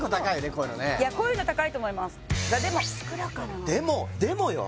こういうのねこういうの高いと思いますでもでもよ